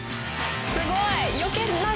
すごい！